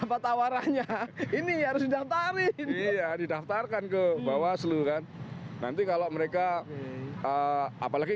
perangnya ini harus didaftarin iya didaftarkan ke bawah seluruh kan nanti kalau mereka eh apalagi